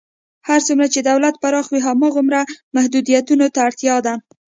هر څومره چې دولت پراخ وي، هماغومره محدودیتونو ته اړتیا ده.